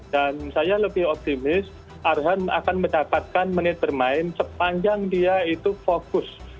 dan saya lebih optimis arhan akan mendapatkan menit bermain sepanjang dia itu fokus